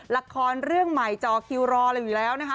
ละครเรื่องใหม่จอคิวรออะไรอยู่แล้วนะคะ